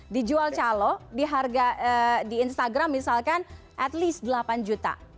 dijual calo di harga di instagram misalkan at least delapan juta